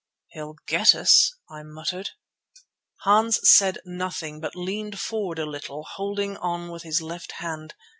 "He'll get us," I muttered. Hans said nothing but leaned forward a little, holding on with his left hand.